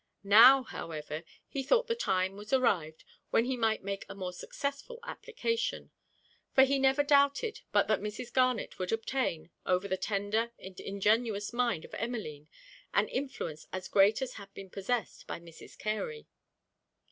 Now, however, he thought the time was arrived, when he might make a more successful application; for he never doubted but that Mrs. Garnet would obtain, over the tender and ingenuous mind of Emmeline, an influence as great as had been possessed by Mrs. Carey.